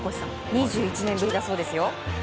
２１年ぶりだそうですよ。